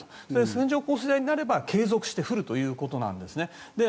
線状降水帯になれば継続して降るということなんですね。